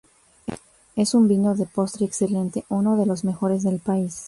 Es un vino de postre excelente, uno de los mejores del país.